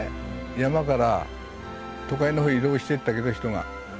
山から都会の方へ移動してったけど人が。